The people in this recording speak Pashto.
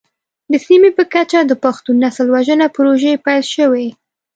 د سیمې په کچه د پښتون نسل وژنه پروژې پيل شوې.